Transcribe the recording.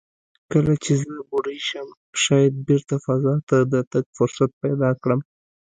کله چې زه بوډۍ شم، شاید بېرته فضا ته د تګ فرصت پیدا کړم."